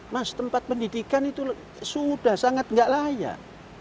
mas tempat pendidikan itu sudah sangat gak layak